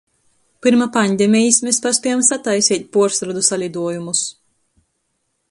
Pyrma pandemejis mes paspiejom sataiseit puors rodu saliduojumus.